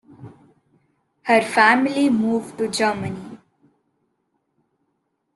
Her family moved to Germany.